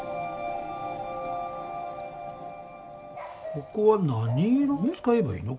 ここは何色を使えばいいの？